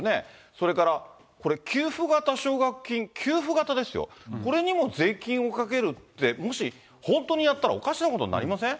それからこれ、給付型奨学金、給付型ですよ、これにも税金をかけるって、もし本当にやったらおかしなことになりません？